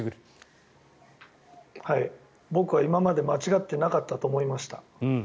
僕は今まで間違っていなかったと思いました。